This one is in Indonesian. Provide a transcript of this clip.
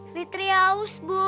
fitri haus ibu